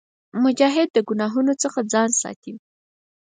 مجاهد د ګناهونو څخه ځان ساتي.